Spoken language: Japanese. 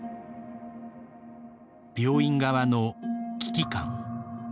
病院側の危機感。